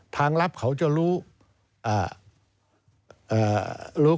ทางลับเขาจะรู้